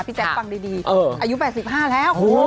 แจ๊คฟังดีอายุ๘๕แล้ว